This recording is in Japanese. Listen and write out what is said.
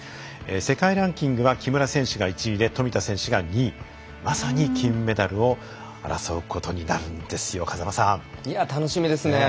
世界ランキングは木村選手が１位で富田選手が２位まさに金メダルを争うことに楽しみですね。